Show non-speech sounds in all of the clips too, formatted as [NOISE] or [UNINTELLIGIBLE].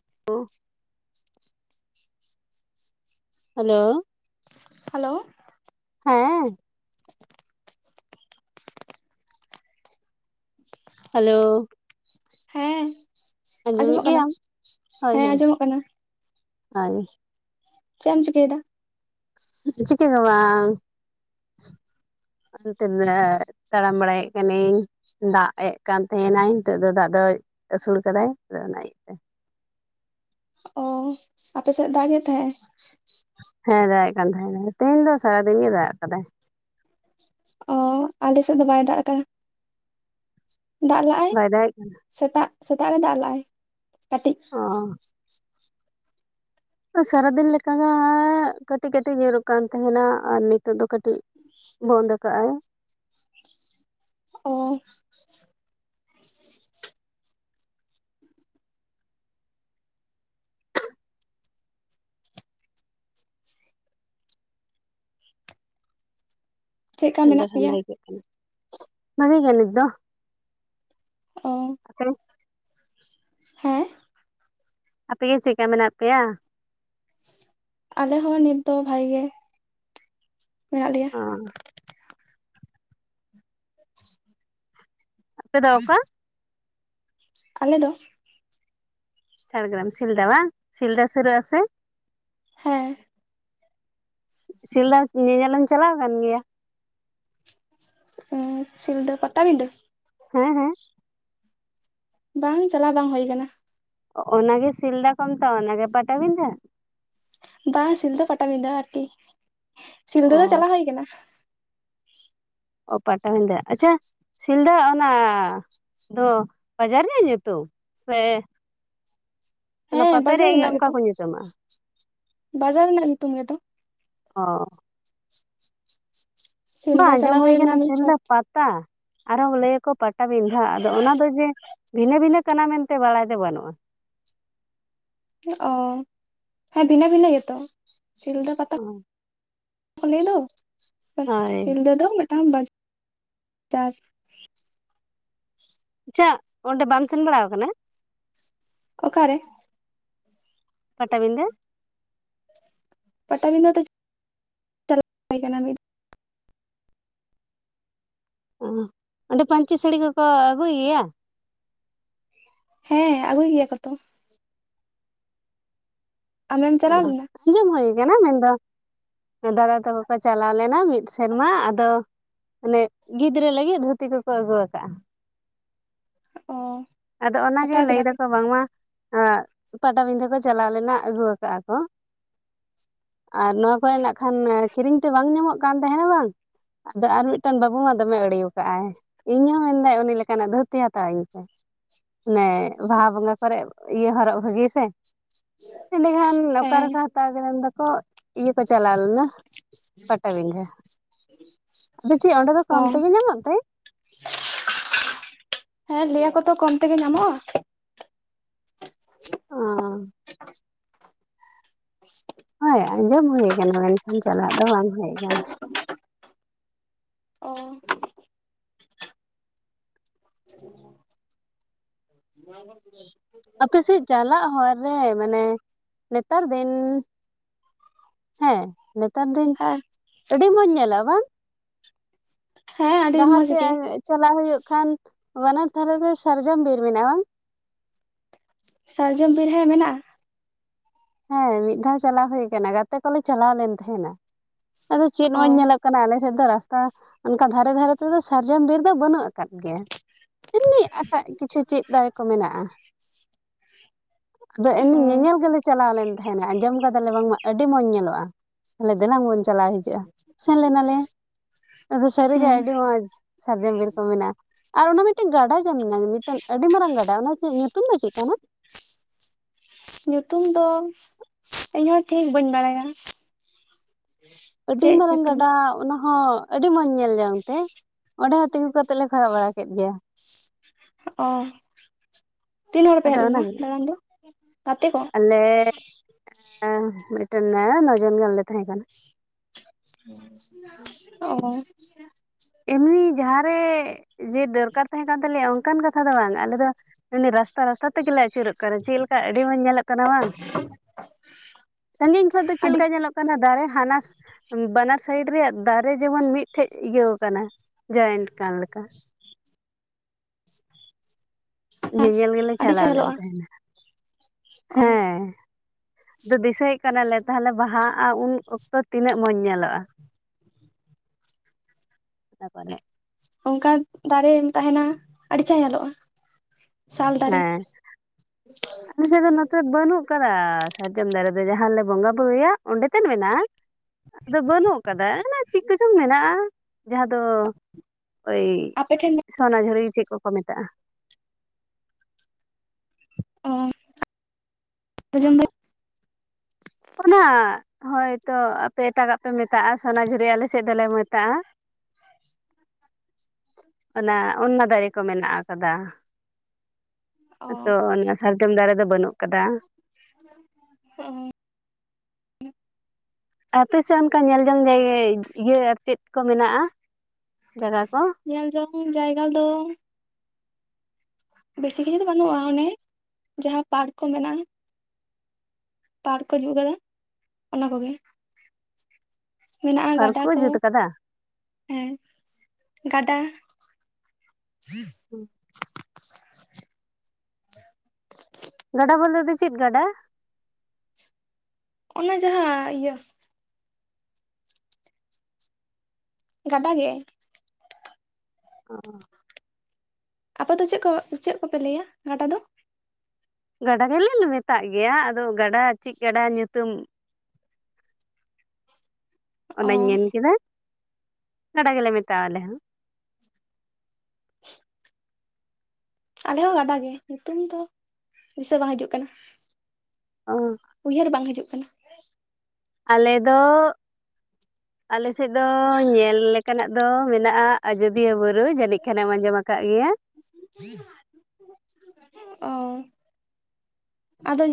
[UNINTELLIGIBLE] [INAUDIBLE] Hello hello ᱦᱮᱸ [UNINTELLIGIBLE] hello ᱦᱮᱸ ᱟᱸᱡᱚᱢᱮᱫ ᱟᱸᱡᱚᱢᱚᱜ ᱠᱟᱱᱟ ᱜᱮᱭᱟᱢ ᱦᱳᱭ ᱦᱮᱸ ᱦᱳᱭ ᱟᱸᱡᱚᱢᱚᱜ ᱠᱟᱱᱟ [INAUDIBLE] ᱪᱮᱫ ᱮᱢ ᱪᱤᱠᱟᱹᱭ ᱮᱫᱟ ᱪᱤᱠᱟᱹ ᱜᱮ ᱵᱟᱝ [INAUDIBLE] ᱚᱱᱛᱮ ᱛᱟᱲᱟᱢ ᱵᱟᱲᱟᱭᱮᱫ ᱠᱟᱹᱱᱤᱧ ᱫᱟᱜ ᱮᱫ ᱠᱟᱱ ᱛᱟᱦᱮᱱᱟᱭ ᱱᱤᱛᱚᱜ ᱫᱚ ᱫᱟᱜ ᱫᱚᱭ ᱟᱹᱥᱩᱲ ᱠᱟᱫᱟᱭ ᱟᱫᱚ ᱚᱱᱟ ᱤᱭᱟᱹᱛᱮ ᱚ ᱟᱯᱮ ᱥᱮᱫ ᱫᱟᱜᱮᱜ ᱛᱟᱦᱮᱸᱟᱭ ᱦᱮᱸ ᱫᱟᱜᱮᱜ ᱠᱟᱱ ᱛᱟᱦᱮᱸᱱᱟᱭ ᱛᱮᱦᱤᱧ ᱫᱚ ᱥᱟᱨᱟ ᱫᱤᱱ ᱜᱮ ᱫᱟᱜ ᱠᱟᱫᱟᱭ ᱚ ᱟᱞᱮ ᱥᱮᱫ ᱫᱚ ᱵᱟᱭ ᱫᱟᱜ ᱠᱟᱫᱟ ᱫᱟᱜ ᱞᱟᱜᱼᱟᱭ ᱵᱟᱭ ᱫᱟᱜ ᱮᱜ ᱠᱟᱱᱟ ᱥᱮᱛᱟᱜ ᱥᱮᱛᱟᱜ ᱨᱮ ᱫᱟᱜ ᱞᱟᱜᱻᱟᱭ ᱠᱟᱹᱴᱤᱡ ᱚ ᱥᱟᱨᱟᱫᱤᱱ ᱞᱮᱠᱟᱜᱮ ᱠᱟᱹᱴᱤᱡ ᱠᱟᱹᱴᱤᱡ ᱧᱩᱨᱩᱜ ᱠᱟᱱ ᱛᱟᱦᱮᱱᱟ ᱟᱨ ᱱᱤᱛᱚᱜ ᱫᱚ ᱠᱟᱹᱴᱤᱡ ᱵᱚᱱᱫᱚ ᱠᱟᱜᱼᱟᱭ ᱚ ᱪᱮᱫᱠᱟ ᱴᱷᱟᱱᱰᱟ ᱢᱮᱱᱟᱜ ᱴᱷᱟᱱᱰᱟ ᱯᱮᱭᱟ ᱟᱹᱭᱠᱟᱹᱜ ᱠᱟᱱᱟ ᱵᱷᱟᱜᱤ ᱜᱮ ᱱᱤᱛ ᱫᱚ ᱚ [UNINTELLIGIBLE] ᱦᱮᱸ ᱟᱯᱮ ᱜᱮ ᱪᱮᱜᱠᱟ ᱢᱮᱱᱟᱜ ᱯᱮᱭᱟ ᱟᱞᱮ ᱦᱚᱸ ᱱᱤᱛ ᱫᱚ ᱵᱷᱟᱜᱮ ᱜᱮ ᱢᱮᱱᱟᱜ ᱞᱮᱭᱟ ᱦ [INAUDIBLE] ᱟᱯᱮ ᱫᱚ ᱚᱠᱟ ᱟᱞᱮ ᱫᱚ ᱡᱷᱟᱲᱜᱨᱟᱢ ᱥᱤᱞᱫᱟ ᱵᱟᱝ ᱥᱤᱞᱫᱟ ᱥᱩᱨ ᱟᱥᱮ ᱦᱮᱸ ᱥᱤᱞᱫᱟ ᱧᱮᱧᱮᱞ ᱮᱢ ᱪᱟᱞᱟᱣ ᱠᱟᱱ ᱜᱮᱭᱟ ᱥᱤᱞᱫᱟᱹ ᱯᱟᱛᱟᱵᱤᱸᱫᱟᱹ ᱦᱮᱸ ᱦᱮᱸ ᱵᱟᱝ ᱪᱟᱞᱟᱣ ᱵᱟᱝ ᱦᱳᱭ ᱠᱟᱱᱟ ᱚᱱᱟᱜᱮ ᱥᱤᱞᱫᱟ ᱠᱚ ᱢᱮᱛᱜᱼᱟ ᱟᱨ ᱚᱱᱟ ᱜᱮ ᱯᱟᱴᱟᱵᱤᱱᱫᱟᱹ ᱵᱟᱝ ᱥᱤᱞᱫᱟᱹ ᱯᱟᱴᱟᱵᱤᱫᱟᱹ ᱟᱨᱠᱤ ᱥᱤᱞᱫᱟᱹ ᱚ ᱫᱚ ᱪᱟᱞᱟᱣ ᱦᱩᱭ ᱠᱟᱱᱟ ᱚ ᱯᱟᱴᱟ ᱵᱤᱫᱟᱹ ᱟᱪᱪᱷᱟ ᱥᱤᱞᱫᱟᱹ ᱚᱱᱟ ᱫᱚ ᱵᱟᱡᱟᱨ ᱨᱮᱭᱟᱜ ᱧᱩᱛᱩᱢ ᱥᱮ ᱚᱱᱟ ᱦᱮᱸ ᱯᱟᱛᱟ ᱵᱟᱡᱟᱨ ᱨᱮᱭᱟᱜ ᱜᱮ ᱨᱮᱱᱟᱜ ᱚᱱᱠᱟ ᱜᱮᱛᱚ ᱠᱚ ᱧᱩᱛᱩᱢᱟ ᱵᱟᱡᱟᱨ ᱨᱮᱱᱟᱜ ᱧᱩᱛᱩᱢ ᱜᱮᱛᱚ ᱚ ᱥᱤᱞᱫᱟ ᱵᱟᱝ ᱟᱸᱡᱚᱢ ᱪᱟᱞᱟᱣ ᱦᱩᱭ ᱞᱮᱱᱟ ᱠᱟᱱᱟ ᱢᱤᱫ ᱥᱮᱱ ᱪᱷᱚᱴ ᱫᱚ ᱯᱟᱛᱟ ᱟᱨᱦᱚᱸ ᱞᱟᱹᱭᱟᱠᱚ ᱯᱟᱴᱟᱵᱤᱸᱫᱟᱹ ᱟᱫᱚ ᱚᱱᱟ ᱫᱚ ᱡᱮ ᱵᱷᱤᱱᱟᱹ ᱵᱷᱤᱱᱟᱹ ᱠᱟᱱᱟ ᱢᱮᱱᱛᱮ ᱵᱟᱲᱟᱭ ᱫᱚ ᱵᱟᱹᱱᱩᱜᱼᱟ ᱚ ᱦᱮᱸ ᱵᱷᱤᱱᱟᱹ ᱵᱷᱤᱱᱟᱹ ᱜᱮᱛᱚ ᱥᱤᱞᱫᱟᱹ ᱯᱟᱛᱟ ᱚᱞᱮ ᱫᱚ ᱦᱳᱭ ᱥᱤᱞᱫᱟᱹ ᱫᱚ ᱢᱤᱫᱴᱟᱝ ᱵᱟᱡᱟᱨ ᱟᱪᱪᱷᱟ ᱚᱸᱰᱮ ᱵᱟᱢ ᱥᱮᱱ ᱵᱟᱲᱟ ᱠᱟᱱᱟ ᱚᱠᱟᱨᱮ ᱯᱟᱴᱟᱵᱤᱸᱱᱫᱟᱹ ᱯᱟᱴᱟᱵᱤᱸᱫᱟᱹ ᱫᱚ ᱪᱟᱞᱟᱣ [INAUDIBLE] ᱠᱟᱱᱟ ᱢᱤᱫ ᱚ ᱚᱸᱰᱮ ᱯᱟᱹᱧᱪᱤ ᱥᱟᱹᱲᱤ ᱠᱚ ᱠᱚ ᱟᱹᱜᱩᱭ ᱜᱮᱭᱟ ᱦᱮᱸ ᱟᱹᱜᱩᱭ ᱜᱮᱭᱟ ᱠᱚᱛᱚ ᱟᱢᱮᱢ ᱪᱟᱞᱟᱣ ᱞᱮᱱᱟ [INAUDIBLE] ᱦᱩᱭ ᱠᱟᱱᱟ ᱢᱮᱱᱫᱚ ᱫᱟᱫᱟ ᱛᱟᱠᱚ ᱠᱚ ᱪᱟᱞᱟᱣ ᱞᱮᱱᱟ ᱢᱤᱫ ᱥᱮᱨᱢᱟ ᱟᱫᱚ ᱟᱱᱮ ᱜᱤᱫᱽᱨᱟᱹ ᱞᱟᱹᱜᱤᱫ ᱫᱷᱩᱛᱤ ᱠᱚ ᱠᱚ ᱟᱹᱜᱩ ᱟᱠᱟᱜᱼᱟ ᱚ ᱟᱫᱚ ᱚᱱᱟᱜᱮ ᱦᱟᱛᱟᱣ ᱞᱟᱹᱭ ᱠᱮᱫᱟ ᱯᱮ ᱫᱟᱠᱚ ᱵᱟᱝᱢᱟ ᱮ ᱯᱟᱴᱟᱵᱤᱸᱫᱟᱹ ᱠᱚ ᱪᱟᱞᱟᱣ ᱞᱮᱱᱟ ᱟᱹᱜᱩ ᱠᱟᱜ ᱟᱠᱚ ᱟᱨ ᱱᱚᱣᱟ ᱱᱟᱜ ᱠᱷᱟᱱ ᱠᱤᱨᱤᱧ ᱛᱮ ᱵᱟᱝ ᱧᱟᱢᱚᱜ ᱠᱟᱱ ᱛᱟᱦᱮᱱᱟ ᱵᱟᱝ ᱟᱫᱚ ᱟᱨ ᱢᱤᱫᱴᱟᱝ ᱵᱟᱹᱵᱩ ᱢᱟ ᱫᱚᱢᱮ ᱟᱲᱤ ᱟᱠᱟᱫ ᱟᱭ ᱤᱧ ᱦᱚᱸ ᱢᱮᱱᱫᱟᱭ ᱩᱱᱤ ᱞᱮᱠᱟᱱᱟᱜ ᱫᱷᱩᱛᱤ ᱦᱟᱛᱟᱣᱟᱹᱧ ᱯᱮ ᱚᱱᱮ ᱵᱟᱦᱟ ᱵᱚᱸᱜᱟ ᱠᱚᱨᱮ ᱤᱭᱟᱹ ᱦᱚᱨᱚᱜ ᱵᱷᱟᱹᱜᱤ ᱥᱮ ᱮᱸᱰᱮᱠᱷᱟᱱ ᱦᱮᱸ ᱚᱠᱟᱨᱮᱠᱚ [INAUDIBLE] ᱫᱟᱠᱚ ᱤᱭᱟᱹ ᱠᱚ ᱪᱟᱞᱟᱣ ᱞᱮᱱᱟ ᱯᱟᱴᱟᱵᱤᱸᱫᱟᱹ ᱟᱫᱚ ᱪᱮᱫ ᱚᱸᱰᱮ ᱫᱚ ᱚ ᱠᱚᱢ ᱛᱮᱜᱮ ᱧᱟᱢᱚᱜ ᱛᱮ ᱦᱮᱸ ᱞᱟᱹᱭᱟᱠᱚ ᱛᱚ ᱠᱚᱢ ᱛᱮᱜᱮ ᱧᱟᱢᱚᱜᱼᱟ ᱚ ᱦᱳᱭ ᱟᱸᱡᱚᱢ ᱦᱳᱭ ᱟᱠᱟᱱᱟ ᱢᱮᱱᱠᱷᱟᱱ ᱪᱟᱞᱟᱜ ᱫᱚ ᱵᱟᱝ ᱦᱳᱭ ᱟᱠᱟᱱᱟ ᱚ [UNINTELLIGIBLE] ᱟᱯᱮᱥᱮᱫ ᱪᱟᱞᱟᱜ ᱦᱚᱨ ᱨᱮ ᱢᱟᱱᱮ ᱱᱮᱛᱟᱨ ᱫᱤᱱ ᱦᱮᱸ ᱱᱮᱛᱟᱨ ᱫᱤᱱ ᱦᱮᱸ ᱟᱹᱰᱤ ᱢᱚᱸᱡᱽ ᱧᱮᱞᱚᱜ ᱟ ᱵᱟᱝ ᱦᱮᱸ ᱟᱹᱰᱤ ᱰᱟᱦᱟᱨ ᱢᱚᱸᱡᱽ ᱛᱮ ᱜᱮ ᱪᱟᱞᱟᱜ ᱦᱩᱭᱩᱜ ᱠᱷᱟᱱ ᱵᱟᱱᱟᱨ ᱫᱷᱟᱨᱮ ᱨᱮ ᱥᱟᱨᱡᱚᱢ ᱵᱤᱨ ᱢᱮᱱᱟᱜᱼᱟ ᱵᱟᱝ ᱥᱟᱨᱡᱚᱢ ᱵᱤᱨ ᱦᱮᱸ ᱢᱮᱱᱟᱜᱼᱟ ᱦᱮᱸ ᱢᱤᱫ ᱫᱷᱟᱣ ᱪᱟᱞᱟᱣ ᱦᱩᱭ ᱠᱟᱱᱟ ᱜᱟᱛᱮ ᱠᱚᱞᱮ ᱪᱟᱞᱟᱣ ᱞᱮᱱ ᱛᱟᱦᱮᱸᱱᱟ ᱟᱫᱚ ᱪᱮᱫ ᱚ ᱢᱚᱸᱡᱽ ᱧᱮᱞᱚᱜ ᱠᱟᱱᱟ ᱟᱞᱮᱥᱮᱫ ᱫᱚ ᱨᱟᱥᱛᱟ ᱚᱱᱠᱟ ᱫᱷᱟᱨᱮ ᱫᱷᱟᱨᱮ ᱛᱮᱫᱚ ᱥᱟᱨᱡᱚᱢ ᱵᱤᱨ ᱫᱚ ᱵᱟᱹᱱᱩᱜ ᱟᱠᱟᱫᱟ ᱟᱠᱟᱫ ᱜᱮᱭᱟ ᱮᱢᱱᱤ ᱮᱴᱟᱜ ᱠᱤᱪᱷᱩ ᱪᱮᱫ ᱫᱟᱨᱮ ᱠᱚ ᱢᱮᱱᱟᱜᱼᱟ ᱟᱫᱚ ᱚ [INAUDIBLE] ᱧᱮᱧᱮᱞ ᱜᱮᱞᱮ ᱪᱟᱞᱟᱣ ᱞᱮᱱ ᱛᱟᱦᱮᱱᱟ ᱟᱸᱡᱚᱢ ᱠᱟᱫᱟᱞᱮ ᱵᱟᱝᱢᱟ ᱟᱹᱰᱤ ᱢᱚᱸᱡᱽ ᱧᱮᱞᱚᱜᱼᱟ ᱟᱞᱮ ᱫᱮᱞᱟ ᱵᱚᱱ ᱪᱟᱞᱟᱣ ᱦᱤᱡᱩᱜᱼᱟ ᱥᱮᱱ ᱞᱮᱱᱟᱞᱮ ᱟᱫᱚ ᱥᱟᱹᱨᱤᱜᱮ ᱦᱩᱸ ᱟᱹᱰᱤ ᱢᱚᱸᱡᱽ ᱥᱟᱨᱡᱚᱢ ᱵᱤᱨ ᱠᱚ ᱢᱮᱱᱟᱜᱼᱟ ᱟᱨ ᱚᱱᱟ ᱢᱤᱫᱴᱮᱱ ᱜᱟᱰᱟ ᱢᱮᱱᱟ ᱢᱤᱫᱴᱮᱱ ᱟᱹᱰᱤ ᱢᱟᱨᱟᱝ ᱜᱟᱰᱟ ᱚᱱᱟ ᱧᱩᱛᱩᱢ ᱫᱚ ᱪᱮᱫ ᱠᱟᱱᱟ ᱧᱩᱛᱩᱢ ᱫᱚ ᱤᱧ ᱦᱚᱸ ᱴᱷᱤᱠ ᱵᱟᱹᱧ ᱵᱟᱲᱟᱭᱟ ᱟᱹᱰᱤ ᱪᱮᱫ ᱢᱟᱨᱟᱝ ᱧᱩᱛᱩᱢ ᱜᱟᱰᱟ ᱚᱱᱟ ᱦᱚᱸ ᱟᱹᱰᱤ ᱢᱚᱸᱡᱽ ᱧᱮᱞ ᱡᱚᱝ ᱛᱮ ᱚᱸᱰᱮ ᱦᱚᱸ ᱛᱤᱸᱜᱩ ᱠᱟᱛᱮᱜ ᱞᱮ ᱠᱷᱚᱭᱚᱜ ᱵᱟᱲᱟ ᱠᱮᱫ ᱜᱮᱭᱟ ᱚ ᱛᱤᱱ ᱦᱚᱲ ᱯᱮ ᱟᱫᱚ ᱦᱮᱡ ᱞᱮᱱᱟ ᱫᱟᱬᱟᱱ ᱫᱚ ᱜᱟᱛᱮ ᱠᱚ ᱞᱮ ᱮᱸ ᱢᱤᱫᱴᱮᱱ ᱱᱚ ᱡᱚᱱ ᱜᱟᱱ ᱞᱮ ᱛᱟᱦᱮᱸ ᱠᱟᱱᱟ ᱾ ᱳ ᱮᱢᱱᱤ ᱡᱟᱦᱟᱸ ᱨᱮ ᱡᱮ ᱫᱚᱨᱠᱟᱨ ᱛᱟᱦᱮᱸ ᱠᱟᱱ ᱛᱟᱞᱮᱭᱟ ᱚᱱᱠᱟᱱ ᱠᱟᱛᱷᱟ ᱫᱚ ᱵᱟᱝ ᱟᱞᱮ ᱫᱚ ᱨᱟᱥᱛᱟ ᱨᱟᱥᱛᱟ ᱛᱮᱜᱮᱞᱮ ᱟᱹᱪᱩᱨᱚᱜ ᱠᱟᱱᱟ ᱪᱮᱫ ᱞᱮᱠᱟ ᱟᱹᱰᱤ ᱢᱚᱸᱡᱽ ᱧᱮᱞᱚᱜ ᱠᱟᱱᱟ ᱵᱟᱝ ᱥᱟᱺᱜᱤᱧ ᱠᱷᱚᱱ ᱫᱚ ᱪᱮᱫ ᱟᱹᱰᱤ ᱞᱮᱠᱟ ᱧᱮᱞᱚᱜ ᱠᱟᱱᱟ ᱾ ᱠᱟᱱᱟ ᱫᱟᱨᱮ ᱦᱟᱱᱟ ᱵᱟᱱᱟᱨ ᱥᱟᱭᱤᱰ ᱨᱮᱭᱟᱜ ᱫᱟᱨᱮ ᱡᱮᱢᱚᱱ ᱢᱤᱫ ᱴᱷᱮᱡ ᱤᱭᱟᱹ ᱟᱠᱟᱱᱟ ᱾ ᱡᱚᱭᱮᱱᱴ ᱠᱟᱱ ᱞᱮᱠᱟ ᱧᱮᱧᱮᱞ ᱜᱮᱞᱮ ᱟᱹᱰᱤ ᱪᱟᱞᱟᱣ ᱪᱮᱦᱨᱟ ᱞᱮᱱ ᱧᱮᱞᱚᱜᱼᱟ ᱛᱟᱦᱮᱱᱟ ᱚ ᱦᱮᱸ ᱫᱤᱥᱟᱹᱭᱮᱫ ᱠᱟᱱᱟᱞᱮ ᱛᱟᱦᱚᱞᱮ ᱵᱟᱦᱟ ᱟᱨ ᱩᱱ ᱚᱠᱛᱚ ᱛᱤᱱᱟᱹᱜ ᱢᱚᱸᱡᱽ ᱧᱮᱞᱚᱜᱼᱟ ᱾ ᱵᱟᱵᱟ ᱨᱮ ᱚᱱᱠᱟ ᱫᱟᱨᱮ ᱛᱟᱦᱮᱱᱟ ᱟᱹᱰᱤ ᱪᱟ ᱧᱮᱞᱚᱜᱼᱟ ᱾ ᱥᱟᱞ ᱫᱟᱨᱮ ᱟᱞᱮᱥᱮᱫ ᱫᱚ ᱱᱚᱛᱮ ᱵᱟᱹᱱᱩᱜ ᱟᱠᱟᱫᱟ ᱥᱟᱨᱡᱚᱢ ᱫᱟᱨᱮ ᱫᱚ ᱡᱟᱦᱟᱸ ᱞᱮ ᱵᱚᱸᱜᱟ ᱵᱩᱨᱩᱭᱟ ᱚᱸᱰᱮ ᱛᱮᱫ ᱢᱮᱱᱟᱜᱼᱟ ᱾ ᱟᱫᱚ ᱵᱟᱹᱱᱩᱜ ᱟᱠᱟᱫᱟ ᱚᱱᱟ ᱪᱮᱫ ᱠᱚᱪᱚᱝ ᱢᱮᱱᱟᱜᱼᱟ ᱡᱟᱦᱟᱸ ᱫᱚ ᱳᱭ ᱟᱯᱮ ᱴᱮᱱ ᱥᱚᱱᱟ ᱡᱷᱩᱨᱤ ᱜᱮ ᱪᱮᱫ ᱠᱚᱠᱚ ᱢᱮᱛᱟᱜᱼᱟ? ᱦᱮᱸ ᱚᱡᱚᱢ ᱫᱚ ᱚᱱᱟ ᱦᱳᱭᱛᱚ ᱟᱯᱮ ᱮᱴᱟᱜᱟᱜ ᱯᱮ ᱢᱮᱛᱟᱜᱼᱟ ᱥᱚᱱᱟᱡᱷᱩᱨᱤ ᱟᱞᱮ ᱥᱮᱫ ᱫᱚᱞᱮ ᱢᱮᱛᱟᱜᱼᱟ ᱾ [INAUDIBLE] ᱚᱱᱟ ᱚᱱᱟ ᱫᱟᱨᱮ ᱠᱚ ᱢᱮᱱᱟᱜ ᱟᱠᱟᱫᱟ ᱚ ᱾ ᱳ ᱛᱚ ᱚᱱᱟ ᱥᱟᱨᱡᱚᱢ ᱫᱟᱨᱮ ᱫᱚ ᱵᱟᱹᱱᱩᱜ ᱠᱟᱫᱟ ᱾ ᱳ ᱦᱳ ᱟᱯᱮ ᱥᱮᱫ ᱚᱱᱠᱟ ᱧᱮᱞ ᱡᱚᱝ ᱡᱟᱭᱜᱟ ᱤᱭᱟᱹ ᱟᱨ ᱪᱮᱫ ᱠᱚ ᱢᱮᱱᱟᱜᱼᱟ ᱡᱟᱭᱜᱟ ᱠᱚ ᱧᱮᱞ ᱡᱚᱝ ᱡᱟᱭᱜᱟ ᱫᱚ ᱵᱮᱥᱤ ᱠᱤᱪᱷᱩ ᱫᱚ ᱵᱟᱹᱱᱩᱜᱼᱟ ᱚᱱᱮ ᱡᱟᱦᱟᱸ ᱯᱟᱨᱠ ᱠᱚ ᱢᱮᱱᱟᱜᱼᱟ ᱾ ᱯᱟᱨᱠ ᱠᱚ ᱦᱤᱡᱩᱜ ᱠᱟᱫᱟ ᱚᱱᱟ ᱠᱚᱜᱮ ᱢᱮᱱᱟᱜᱼᱟ ᱯᱟᱨᱠ ᱜᱟᱰᱟ ᱠᱚ ᱡᱩᱛ ᱠᱟᱫᱟ ᱦᱮᱸ ᱜᱟᱰᱟ ᱦᱩᱸ ᱜᱟᱰᱟ ᱵᱚᱞᱮ ᱫᱚ ᱪᱮᱫ ᱜᱟᱰᱟ? ᱚᱱᱟ ᱡᱟᱦᱟᱸ ᱤᱭᱟᱹ ᱜᱟᱰᱟ ᱜᱮ ᱳ ᱟᱯᱮ ᱫᱚ ᱪᱮᱫ ᱠᱚ ᱪᱮᱫ ᱠᱚᱯᱮ ᱞᱟᱹᱭᱟ ᱜᱟᱰᱟ ᱫᱚ? ᱜᱟᱰᱟ ᱜᱮᱞᱮ ᱢᱮᱛᱟᱜ ᱜᱮᱭᱟ ᱟᱫᱚ ᱜᱟᱰᱟ ᱪᱮᱫ ᱜᱟᱰᱟ ᱧᱩᱛᱩᱢ ᱾ ᱚ ᱚᱱᱟᱧ ᱢᱮᱱ ᱠᱮᱫᱟ ᱜᱟᱰᱟ ᱜᱮᱞᱮ ᱢᱮᱛᱟᱣ ᱟᱞᱮ ᱦᱚᱸ ᱟᱞᱮ ᱦᱚᱸ ᱜᱟᱰᱟ ᱜᱮ ᱧᱩᱛᱩᱢ ᱫᱚ ᱫᱤᱥᱟᱹ ᱵᱟᱝ ᱦᱤᱡᱩᱜ ᱠᱟᱱᱟ ᱾ ᱚ ᱩᱭᱦᱟᱹᱨ ᱵᱟᱝ ᱦᱤᱡᱩᱜ ᱠᱟᱱᱟ ᱾ ᱟᱞᱮ ᱫᱚ ᱟᱞᱮ ᱥᱮᱫ ᱫᱚ ᱧᱮᱞ ᱞᱮᱠᱟᱱᱟ ᱾ ᱫᱚ ᱢᱮᱱᱟᱜᱼᱟ ᱟᱡᱚᱫᱤᱭᱟᱹ ᱵᱩᱨᱩ ᱡᱟᱹᱱᱤᱡ ᱠᱷᱟᱱᱮᱢ ᱟᱸᱡᱚᱢ ᱟᱠᱟᱫ ᱜᱮᱭᱟ ᱾ ᱳ ᱟᱫᱚ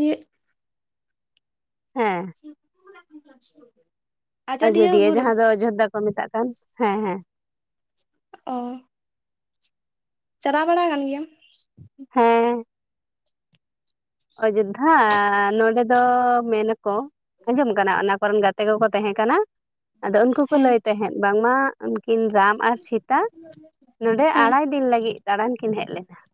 ᱦᱮᱸ [INAUDIBLE] ᱟᱡᱚᱫᱤᱭᱟᱹ ᱡᱟᱦᱟᱸ ᱫᱚ ᱚᱡᱳᱫᱽᱫᱷᱟ ᱠᱚ ᱢᱮᱛᱟᱜ ᱠᱟᱱ ᱦᱮᱸ ᱦᱮᱸ ᱳ ᱪᱟᱞᱟᱣ ᱵᱟᱲᱟ ᱠᱟᱱ ᱜᱮᱭᱟᱢ? ᱦᱮᱸ ᱚᱡᱳᱫᱽᱫᱷᱟ ᱱᱚᱰᱮ ᱫᱚ ᱢᱮᱱᱟ ᱠᱚ ᱟᱸᱡᱚᱢ ᱠᱟᱱᱟ ᱚᱱᱟ ᱠᱚᱨᱮᱱ ᱜᱟᱛᱮ ᱛᱮᱜᱮ ᱠᱚ ᱛᱟᱦᱮᱸ ᱠᱟᱱᱟ ᱟᱫᱚ ᱩᱱᱠᱩ ᱠᱚ ᱦᱮᱸ ᱞᱟᱹᱭ ᱛᱟᱦᱮᱸᱫ ᱵᱟᱝᱢᱟ ᱩᱱᱠᱤᱱ ᱨᱟᱢ ᱟᱨ ᱥᱤᱛᱟ ᱱᱚᱸᱰᱮ ᱦᱮᱸ ᱟᱲᱟᱭ ᱫᱤᱱ ᱞᱟᱹᱜᱤᱫ ᱫᱟᱬᱟᱱ ᱠᱤᱱ ᱦᱮᱡ ᱞᱮᱱᱟ ᱾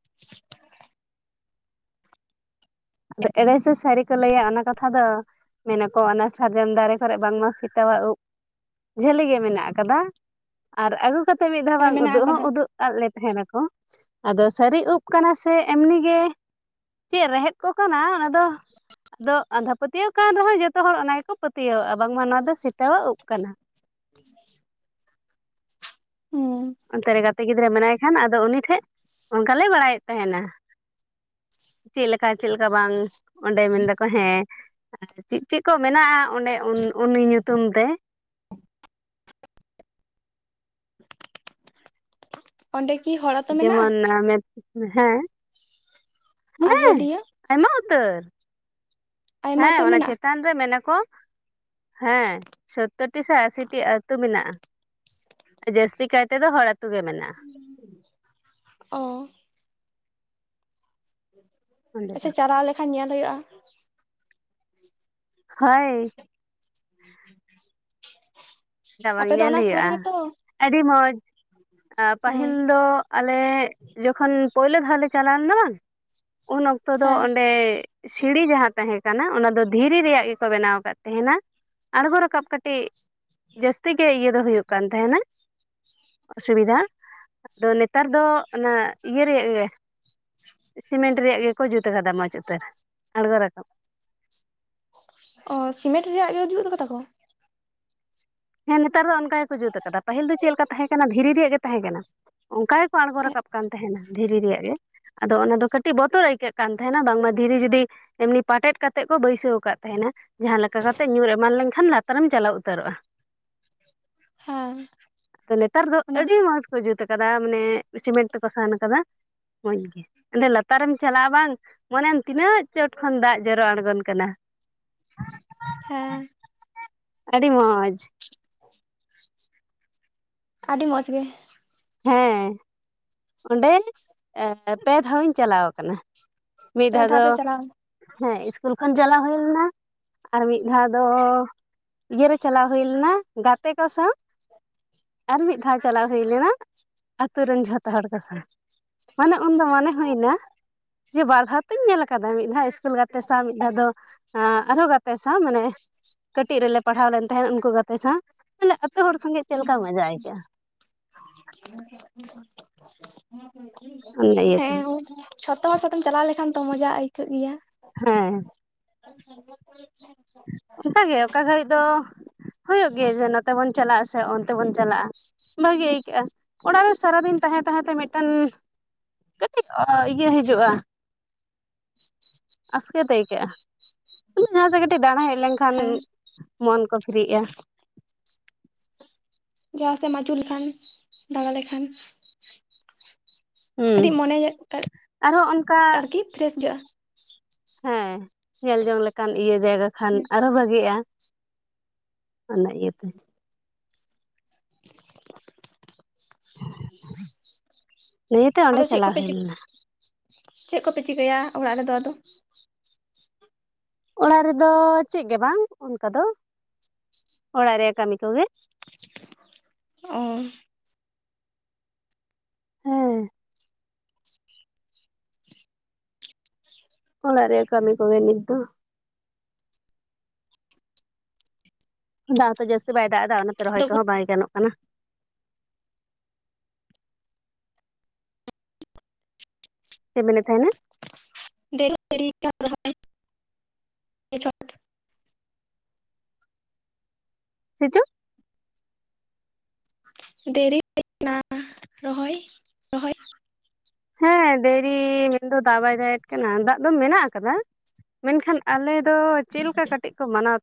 ᱟᱫᱚ ᱮᱲᱮ ᱥᱮ ᱥᱟᱹᱨᱤ ᱠᱚ ᱞᱟᱹᱭᱟ ᱚᱱᱟ ᱠᱟᱛᱷᱟ ᱫᱚ᱾ ᱢᱮᱱᱟᱠᱚ ᱚᱱᱟ ᱥᱟᱨᱡᱚᱢ ᱫᱟᱨᱮ ᱠᱚᱨᱮ ᱵᱟᱝᱢᱟ ᱥᱮᱛᱟᱣᱟᱜ ᱩᱵ ᱼᱼ ᱡᱷᱟᱹᱞᱤ ᱜᱮ ᱢᱮᱱᱟᱜ ᱠᱟᱫᱟ ᱟᱨ ᱟᱹᱜᱩ ᱠᱟᱛᱮᱫ ᱢᱤᱫ ᱫᱷᱟᱣ ᱦᱮᱸ ᱵᱟᱝ ᱢᱮᱱᱟᱜ ᱩᱫᱩᱜ ᱦᱚᱸ ᱟᱠᱟᱫᱟ ᱩᱫᱩᱜ ᱼᱼ ᱟᱫ ᱞᱮ ᱛᱟᱦᱮᱱᱟᱠᱚ ᱟᱫᱚ ᱥᱟᱹᱨᱤ ᱩᱵ ᱠᱟᱱᱟ ᱥᱮ ᱮᱢᱱᱤ ᱜᱮ ᱪᱮᱫ ᱨᱮᱦᱮᱫ ᱼᱼ ᱠᱚ ᱠᱟᱱᱟ ᱚᱱᱟ ᱫᱚ ᱼᱼ ᱟᱫᱚ ᱟᱸᱫᱷᱟ ᱯᱟᱹᱛᱭᱟᱹᱣ ᱠᱟᱱ ᱨᱮᱦᱚᱸ ᱡᱚᱛᱚ ᱦᱚᱲ ᱚᱱᱟ ᱜᱮᱠᱚ ᱯᱟᱹᱛᱭᱟᱹᱣᱟᱜᱼᱟ ᱵᱟᱝᱢᱟ ᱱᱚᱣᱟ ᱫᱚ ᱥᱮᱛᱟᱣᱟᱜ ᱩᱵ ᱠᱟᱱᱟ। ᱦᱩ [INAUDIBLE] ᱦᱩᱸ ᱚᱱᱛᱮ ᱨᱮ ᱜᱟᱛᱮ ᱜᱤᱫᱽᱨᱟᱹ ᱢᱮᱱᱟᱭ ᱠᱷᱟᱱ ᱟᱫᱚ ᱩᱱᱤ ᱴᱷᱮᱡ ᱚᱱᱠᱟ ᱞᱮ ᱵᱟᱲᱟᱭᱮᱫ ᱛᱟᱦᱮᱱᱟ। ᱪᱮᱫ ᱞᱮᱠᱟ ᱪᱮᱫ ᱞᱮᱠᱟ ᱵᱟᱝ ᱚᱸᱰᱮ ᱢᱮᱱ ᱫᱟᱠᱚ ᱦᱮᱸ ᱪᱮᱫ ᱪᱮᱫ ᱠᱚ ᱢᱮᱱᱟᱜᱼᱟ ᱚᱸᱰᱮ ᱩᱱ ᱩᱱᱤ ᱧᱩᱛᱩᱢ ᱛᱮ? [INAUDIBLE] ᱚᱸᱰᱮ ᱠᱤ ᱦᱚᱲ ᱟᱛᱩ ᱡᱮᱢᱚᱱ [INAUDIBLE] ᱦᱮᱸ ᱦᱮᱸ ᱟᱡᱚᱫᱤᱭᱟᱹ ᱟᱭᱢᱟ ᱩᱛᱟᱹᱨ। ᱟᱭᱢᱟ ᱦᱮᱸ ᱩᱛᱟᱹᱨ ᱚᱱᱟ ᱢᱮᱱᱟᱜᱼᱟ? ᱪᱮᱛᱟᱱ ᱼᱼ ᱨᱮ ᱢᱮᱱᱟᱠᱚ ᱦᱮᱸ ᱥᱳᱛᱛᱚᱨ ᱴᱤ ᱥᱮ ᱟᱥᱤᱴᱤ ᱟᱹᱛᱩ ᱢᱮᱱᱟᱜᱼᱟ। ᱡᱟᱹᱥᱛᱤ ᱠᱟᱭ ᱛᱮᱫᱚ ᱦᱚᱲ ᱟᱹᱛᱩᱳ ᱜᱮ ᱢᱮᱱᱟᱜᱼᱟ। ᱚ ᱚᱸᱰᱮ ᱫᱚ ᱟᱪᱪᱷᱟ ᱪᱟᱞᱟᱣ ᱞᱮᱠᱷᱟᱱ ᱧᱮᱞ ᱦᱩᱭᱩᱜᱼᱟ। ᱦᱳᱭ [INAUDIBLE] ᱪᱮᱫᱟᱜ ᱵᱟᱝ ᱟᱯᱮ ᱫᱚ ᱧᱮᱞ ᱚᱱᱟ ᱥᱩᱨ ᱦᱩᱭᱩᱜᱼᱟ ᱨᱮᱜᱮ ᱛᱚ ᱟᱹᱰᱤ ᱢᱚᱡᱽ᱾ ᱦᱮᱸ ᱯᱟᱹᱦᱤᱞ ᱫᱚ ᱼᱼ ᱟᱞᱮ ᱡᱚᱠᱷᱚᱱ ᱯᱳᱭᱞᱳ ᱫᱷᱟᱣ ᱞᱮ ᱪᱟᱞᱟᱣ ᱞᱮᱱᱟ ᱵᱟᱝ ᱩᱱ ᱚᱠᱛᱚ ᱫᱚ ᱦᱮᱸ ᱚᱸᱰᱮᱻ ᱼᱼ ᱥᱤᱲᱤ ᱡᱟᱦᱟᱸ ᱛᱟᱦᱮᱸ ᱠᱟᱱᱟ ᱚᱱᱟ ᱫᱚ ᱫᱷᱤᱨᱤ ᱨᱮᱭᱟᱜ ᱜᱮᱠᱚ ᱵᱮᱱᱟᱣ ᱟᱠᱟᱫ ᱛᱟᱦᱮᱱᱟ। ᱟᱬᱜᱚ ᱨᱟᱠᱟᱯ ᱠᱟᱹᱴᱤᱡ ᱡᱟᱹᱥᱛᱤ ᱜᱮ ᱤᱭᱟᱹ ᱫᱚ ᱦᱩᱭᱩᱜ ᱠᱟᱱ ᱛᱟᱦᱮᱸᱱᱟ। ᱚᱥᱩᱵᱤᱫᱷᱟ ᱟᱫᱚ ᱱᱮᱛᱟᱨ ᱫᱚ ᱚᱱᱟ ᱤᱭᱟᱹ ᱨᱮᱭᱟᱜ ᱜᱮ। ᱥᱤᱢᱮᱱᱴ ᱨᱮᱭᱟᱜ ᱜᱮᱠᱚ ᱡᱩᱛ ᱠᱟᱫᱟ ᱢᱚᱡᱽ ᱩᱛᱟᱹᱨ ᱟᱬᱜᱚ ᱨᱟᱠᱟᱵ। ᱚ ᱥᱤᱢᱮᱱᱴ ᱨᱮᱭᱟᱜ ᱜᱮ ᱠᱚ ᱡᱩᱛ ᱠᱟᱫᱟ ᱠᱚ। ᱦᱮᱸ ᱱᱮᱛᱟᱨ ᱫᱚ ᱚᱱᱠᱟ ᱜᱮᱠᱚ ᱡᱩᱛ ᱠᱟᱫᱟ ᱯᱟᱹᱦᱤᱞ ᱫᱚ ᱪᱮᱫ ᱞᱮᱠᱟ ᱛᱟᱦᱮᱸ ᱠᱟᱱᱟ ᱫᱷᱤᱨᱤ ᱨᱮᱭᱟᱜ ᱜᱮ ᱛᱟᱦᱮᱸ ᱠᱟᱱᱟ᱾ ᱚᱱᱠᱟ ᱼᱼ ᱜᱮᱠᱚ ᱟᱬᱜᱚ ᱦᱮᱸ ᱨᱟᱠᱟᱵ ᱠᱟᱱ ᱛᱟᱦᱮᱱᱟ ᱫᱷᱤᱨᱤ ᱨᱮᱭᱟᱜ ᱜᱮ। ᱟᱫᱚ ᱚᱱᱟ ᱫᱚ ᱠᱟᱹᱴᱤᱡ ᱵᱚᱛᱚᱨ ᱟᱹᱭᱠᱟᱹᱜ ᱠᱟᱱ ᱛᱟᱦᱮᱱᱟ᱾ ᱵᱟᱝᱢᱟ ᱫᱷᱤᱨᱤ ᱡᱩᱫᱤ ᱼᱼ ᱮᱢᱱᱤ ᱯᱟᱴᱮᱫ ᱠᱟᱛᱮᱜ ᱠᱚ ᱵᱟᱹᱭᱥᱟᱹᱣ ᱟᱠᱟᱫ ᱛᱟᱦᱮᱱᱟ। ᱡᱟᱦᱟᱸ ᱞᱮᱠᱟ ᱠᱟᱛᱮᱜ ᱧᱩᱨ ᱮᱢᱟᱱ ᱞᱮᱱᱠᱷᱟᱱ ᱞᱟᱛᱟᱨᱮᱢ ᱪᱟᱞᱟᱣ ᱩᱛᱟᱹᱨᱚᱜᱼᱟ। ᱦᱮᱸ ᱟᱫᱚ ᱱᱮᱛᱟᱨ ᱫᱚ ᱚᱱᱟ ᱟᱹᱰᱤ ᱢᱚᱡᱽ ᱠᱚ ᱡᱩᱛ ᱠᱟᱫᱟ ᱢᱟᱱᱮ ᱥᱤᱢᱮᱱᱴ ᱛᱮᱠᱚ ᱥᱟᱱ ᱠᱟᱫᱟ ᱢᱚᱡᱽ ᱜᱮ। ᱮᱸᱰᱮ ᱞᱟᱛᱟᱨᱮᱢ ᱪᱟᱞᱟᱜᱼᱟ ᱵᱟᱝ ᱢᱚᱱᱮᱭᱟᱢ ᱛᱤᱱᱟᱹᱜ ᱪᱚᱴ ᱠᱷᱚᱱ ᱫᱟᱜ ᱡᱚᱨᱚ ᱟᱬᱜᱚᱱ ᱠᱟᱱᱟ। ᱦᱮᱸᱻ ᱟᱹᱰᱤ ᱢᱚᱡᱽ [INAUDIBLE] ᱟᱹᱰᱤ ᱢᱚᱡᱽ ᱜᱮ ᱦᱮᱸ ᱚᱸᱰᱮ ᱮᱻ ᱯᱮ ᱫᱷᱟᱣ ᱤᱧ ᱪᱟᱞᱟᱣ ᱠᱟᱱᱟ। ᱢᱤᱫ ᱯᱮ ᱫᱷᱟᱣ ᱫᱚ ᱯᱮ ᱪᱟᱞᱟᱣ ᱦᱮᱸ ᱤᱥᱠᱩᱞ ᱠᱷᱚᱱ ᱪᱟᱞᱟᱣ ᱦᱩᱭ ᱞᱮᱱᱟ। ᱟᱨ ᱢᱤᱫ ᱫᱷᱟᱣ ᱫᱚᱻ ᱼᱼ ᱤᱭᱟᱹᱨ ᱨᱮ ᱪᱟᱞᱟᱣ ᱦᱩᱭ ᱞᱮᱱᱟ ᱜᱟᱛᱮ ᱠᱚ ᱥᱟᱶ᱾ ᱟᱨ ᱢᱤᱫ ᱫᱷᱟᱣ ᱪᱟᱞᱟᱣ ᱦᱩᱭ ᱞᱮᱱᱟ ᱼᱼ ᱟᱛᱳ ᱨᱮᱱ ᱡᱷᱚᱛᱚ ᱦᱚᱲ ᱠᱚ ᱥᱟᱶ᱾ ᱢᱟᱱᱮ ᱩᱱᱫᱚ ᱢᱚᱱᱮ ᱦᱩᱭᱱᱟ ᱼᱼ ᱡᱮ ᱵᱟᱨ ᱫᱷᱟᱣ ᱛᱤᱧ ᱧᱮᱞ ᱠᱟᱫᱟ ᱢᱤᱫ ᱫᱷᱟᱣ ᱤᱥᱠᱩᱞ ᱜᱟᱛᱮ ᱥᱟᱶ᱾ ᱢᱤᱫ ᱫᱷᱟᱣ ᱫᱚ ᱼᱼ ᱟᱸᱻ ᱟᱨᱦᱚᱸ ᱜᱟᱛᱮ ᱥᱟᱶ᱾ ᱢᱟᱱᱮ ᱠᱟᱹᱴᱤᱡ ᱨᱮᱞᱮ ᱯᱟᱲᱦᱟᱣ ᱞᱮᱱ ᱛᱟᱦᱮᱸᱱ ᱩᱱᱠᱩ ᱜᱟᱛᱮ ᱥᱟᱶ। ᱛᱟᱦᱚᱞᱮ ᱟᱹᱛᱩᱳ ᱦᱚᱲ ᱥᱚᱸᱜᱮ ᱪᱮᱫ ᱞᱮᱠᱟ ᱢᱟᱡᱟ ᱟᱹᱭᱠᱟᱹᱜᱼᱟ। ᱚᱱᱟ [INAUDIBLE] ᱤᱭᱟᱹᱛᱮ ᱦᱮᱸ ᱡᱷᱚᱛᱚ ᱦᱚᱲ ᱥᱟᱛᱮᱢ ᱪᱟᱞᱟᱣ ᱞᱮᱠᱷᱟᱱ ᱛᱚ ᱢᱚᱡᱟ ᱟᱹᱠᱟᱹᱜ ᱜᱮᱭᱟ ᱦᱮᱸᱻ ᱟᱪᱪᱷᱟ ᱚᱱᱠᱟᱜᱮ ᱚᱠᱟ ᱜᱷᱟᱹᱲᱤᱡ ᱫᱚ ᱦᱩᱭᱩᱜ ᱜᱮ ᱡᱮ ᱱᱚᱛᱮ ᱵᱚᱱ ᱪᱟᱞᱟᱜ ᱟ ᱥᱮ ᱚᱱᱛᱮ ᱵᱚᱱ ᱪᱟᱞᱟᱜᱼᱟ ᱵᱷᱟᱹᱜᱤ ᱟᱹᱭᱠᱟᱹᱜᱼᱟ ᱚᱲᱟᱜ ᱨᱮ ᱥᱟᱨᱟᱫᱤᱱ ᱛᱟᱦᱮᱸ ᱛᱟᱦᱮᱸ ᱛᱮ ᱢᱤᱫᱴᱟᱝ ᱠᱟᱹᱴᱤᱡ ᱤᱭᱟᱹ ᱦᱤᱡᱩᱜᱼᱟ ᱟᱥᱠᱟᱹᱛᱮ ᱟᱹᱭᱠᱟᱹᱜᱼᱟ ᱡᱟᱦᱟᱸᱥᱮᱫ ᱠᱟᱹᱴᱤᱡ ᱫᱟᱬᱟ ᱦᱮᱡ ᱞᱮᱱᱠᱷᱟᱱ ᱦᱮᱸ ᱢᱚᱱ ᱠᱚ ᱯᱷᱨᱤᱜᱼᱟ ᱡᱟᱦᱟᱸ ᱥᱮᱫ ᱮᱢ ᱟᱹᱪᱩ ᱞᱮᱠᱷᱟᱱ ᱫᱟᱬᱟ ᱞᱮᱠᱷᱟᱱ ᱦᱩᱸ ᱠᱟᱹᱴᱤᱡ ᱢᱚᱱᱮ ᱟᱨᱦᱚᱸ ᱚᱱᱠᱟ ᱟᱨᱠᱤ ᱯᱷᱨᱮᱥ ᱜᱮᱚᱜᱼᱟ ᱦᱮᱸ ᱧᱮᱞ ᱡᱚᱝ ᱞᱮᱠᱟᱱ ᱤᱭᱟᱹ ᱡᱟᱭᱜᱟ ᱠᱷᱟᱱ ᱟᱨᱦᱚᱸ ᱵᱷᱟᱜᱤᱜᱼᱟ। ᱚᱱᱟ ᱤᱭᱟᱹᱛᱮ ᱱᱤᱭᱟᱹᱛᱮ ᱚᱸᱰᱮ ᱟᱫᱚ ᱪᱮᱫ ᱪᱟᱞᱟᱣ ᱠᱚᱯᱮ ᱦᱩᱭ ᱪᱤᱠᱟᱹ ᱞᱮᱱᱟ ᱪᱮᱫ ᱠᱚᱯᱮ ᱪᱤᱠᱟᱹᱭᱟ ᱚᱲᱟᱜ ᱨᱮᱫᱚ ᱟᱫᱚ ᱚᱲᱟᱜ ᱨᱮᱫᱚ ᱪᱮᱫ ᱜᱮ ᱵᱟᱝ ᱚᱱᱠᱟ ᱫᱚ ᱚᱲᱟᱜ ᱨᱮᱭᱟᱜ ᱠᱟᱹᱢᱤ ᱠᱚᱜᱮ ᱚᱻ ᱦᱮᱸᱻ ᱚᱲᱟᱜ ᱨᱮᱭᱟᱜ ᱠᱟᱹᱢᱤ ᱠᱚᱜᱮ ᱱᱤᱛ ᱫᱚ ᱫᱟᱜ ᱫᱚᱚᱡᱟᱹᱥᱛᱤ ᱵᱟᱭ ᱫᱟᱜ ᱮᱫᱟ ᱚᱱᱟᱛᱮ ᱨᱚᱦᱚᱭ ᱟᱫᱚ ᱠᱚᱦᱚᱸ ᱵᱟᱭ ᱜᱟᱱᱚᱜ ᱠᱟᱱᱟ ᱪᱮᱫ ᱢᱮᱱᱮᱫ ᱛᱟᱦᱮᱱᱟ ᱫᱠᱟ [UNINTELLIGIBLE] ᱪᱷᱚᱴ ᱥᱮ ᱪᱚ ᱫᱮᱨᱤᱱᱟ [UNINTELLIGIBLE] ᱨᱚᱦᱚᱭ ᱨᱚᱦᱚᱭ ᱦᱮᱸ ᱰᱮᱨᱤ ᱢᱮᱱᱫᱚ ᱫᱟᱜ ᱵᱟᱭ ᱫᱟᱲᱮᱫ ᱠᱟᱱᱟ ᱫᱟᱜ ᱫᱚ ᱢᱮᱱᱟᱜ ᱟᱠᱟᱫᱟ ᱢᱮᱱᱠᱷᱟᱱ ᱟᱞᱮ ᱫᱚ ᱪᱮᱫ ᱞᱮᱠᱟ ᱠᱟᱹᱴᱤᱡ ᱠᱚ ᱢᱟᱱᱟᱣ